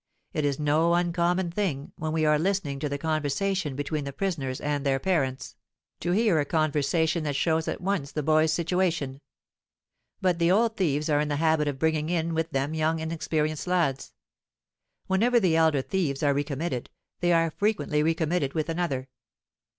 It is no uncommon thing, when we are listening to the conversation between the prisoners and their parents, to hear a conversation that shows at once the boy's situation; but the old thieves are in the habit of bringing in with them young inexperienced lads. Whenever the elder thieves are recommitted, they are frequently recommitted with another.'